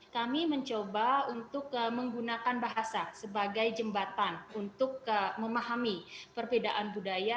kami mencoba untuk menggunakan bahasa sebagai jembatan untuk memahami perbedaan budaya